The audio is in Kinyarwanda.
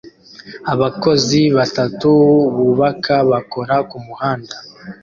Abakozi batatu bubaka bakora kumuhanda